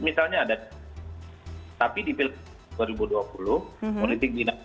misalnya ada tapi di pilkada dua ribu dua puluh